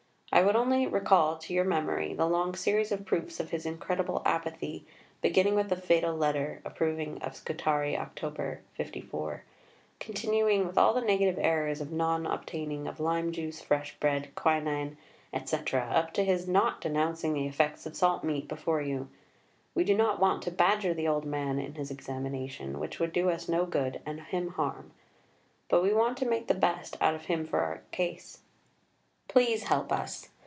I would only recall to your memory the long series of proofs of his incredible apathy, beginning with the fatal letter approving of Scutari, Oct. '54, continuing with all the negative errors of non obtaining of Lime Juice, Fresh Bread, Quinine, etc., up to his not denouncing the effects of salt meat before you.... We do not want to badger the old man in his examination, which would do us no good and him harm. But we want to make the best out of him for our case. Please help us.